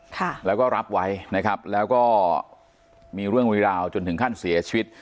ค่ะแล้วก็รับไว้นะครับแล้วก็มีเรื่องมีราวจนถึงขั้นเสียชีวิต